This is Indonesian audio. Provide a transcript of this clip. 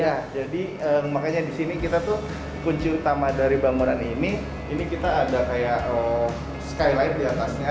ya jadi makanya di sini kita tuh kunci utama dari bangunan ini ini kita ada kayak skylight di atasnya